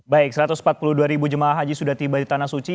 baik satu ratus empat puluh dua jemaah haji sudah tiba di tanah suci